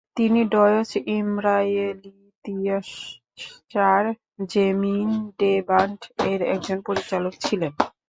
তিনি ডয়চ-ইস্রায়েলিতিশ্চার জেমেইনডেবান্ড এর একজন পরিচালক ছিলেন।